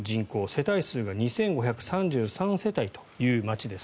世帯数が２５３３世帯という町です。